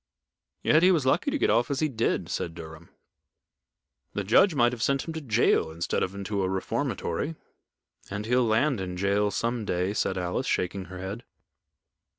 "Yet he was lucky to get off as he did," said Durham. "The judge might have sent him to jail instead of into a reformatory." "And he'll land in jail some day," said Alice, shaking her head.